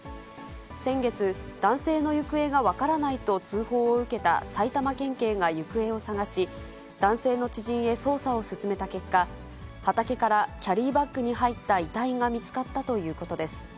先月、男性の行方が分からないと通報を受けた埼玉県警が行方を捜し、男性の知人へ捜査を進めた結果、畑からキャリーバッグに入った遺体が見つかったということです。